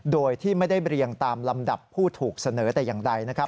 โดยที่ไม่ได้เรียงตามลำดับผู้ถูกเสนอแต่อย่างใดนะครับ